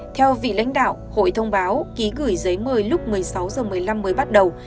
theo vị lãnh đạo hội thông báo ký gửi giấy mời lúc một mươi sáu h một mươi năm mới bắt đầu